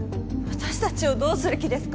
私達をどうする気ですか？